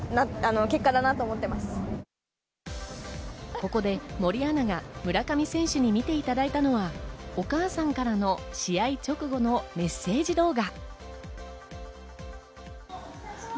ここで森アナが村上選手に見ていただいたのは、お母さんからの試合直後のメッセージ動画。